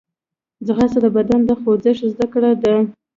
ځغاسته د بدن د خوځښت زدهکړه ده